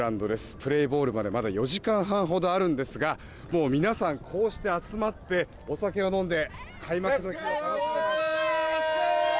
プレーボールまでまだ４時間半ほどあるんですが皆さん、こうして集まってお酒を飲んで。